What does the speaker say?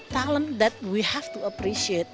talent yang sangat harus kita hargai